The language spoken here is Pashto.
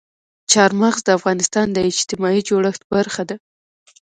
چار مغز د افغانستان د اجتماعي جوړښت برخه ده.